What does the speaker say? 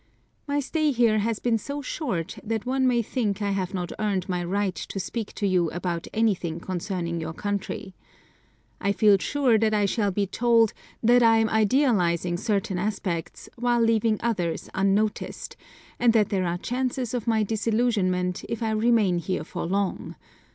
My stay here has been so short that one may think I have not earned my right to speak to you about anything concerning your country. I feel sure that I shall be told, that I am idealising certain aspects, while leaving others unnoticed, and that there are chances of my disillusionment, if I remain here for long.